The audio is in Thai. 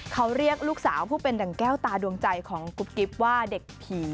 เขาเรียกลูกสาวผู้เป็นดังแก้วตาดวงใจของกุ๊บกิ๊บว่าเด็กผี